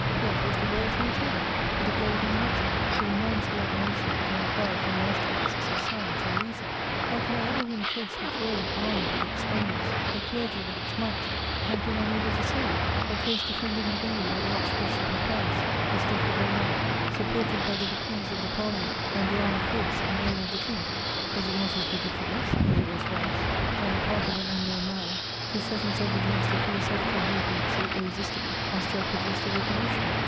What! was the world to return, to the Golden Legend, to renounce the admiration it had acquired for masterpieces of science and reason? How could I ever win a case which Rome armed with its thunders, the clergy with its might, had been unable to save: a case defended in vain by the Archbishop of Paris, Christophe de Beaumont, supported by the decrees of the Parliament and the armed force and name of the King? Was it not as ridiculous as it was rash on the part of an unknown man to set himself against a philosophical movement so irresistible as to have produced the Revolution?